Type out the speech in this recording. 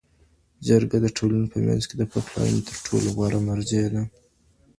جرګه د ټولنې په منځ کي د پخلاینې تر ټولو غوره مرجع ده.